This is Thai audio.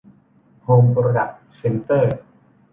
โฮม โปรดักส์ เซ็นเตอร์